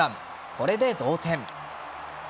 これで同点。